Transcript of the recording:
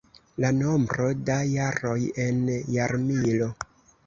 La nombro da jaroj en jarmilo.